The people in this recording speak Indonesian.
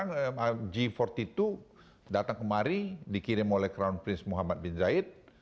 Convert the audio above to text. nggak sekarang g empat puluh dua datang kemari dikirim oleh crown prince muhammad bin zaid